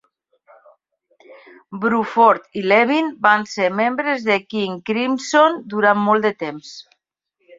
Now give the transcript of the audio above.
Bruford i Levin van ser membres de King Crimson durant molt de temps.